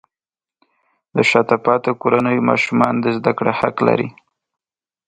د شاته پاتې کورنیو ماشومان د زده کړې حق لري.